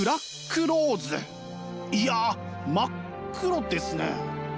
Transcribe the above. いや真っ黒ですね。